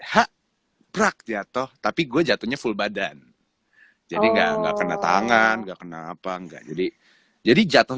hak prak jatuh tapi gue jatuhnya full badan jadi nggak kena tangan gak kenapa enggak jadi jadi jatuh